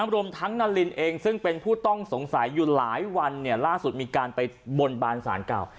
รวมทั้งนารินเองซึ่งเป็นผู้ต้องสงสัยอยู่หลายวันล่าสุดมีการไปบนบานสารเก่า